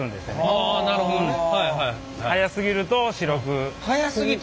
あなるほどね。へえ。